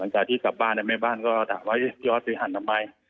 หลังจากที่กลับบ้านหรือไม่บ้านก็ถามว่าพี่อธิษฐรีหั่นทำไม